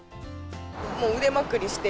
もう腕まくりして。